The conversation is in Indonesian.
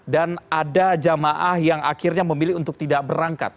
dan ada jemaah yang akhirnya memilih untuk tidak berangkat